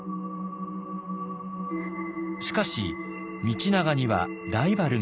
しかし道長にはライバルがいました。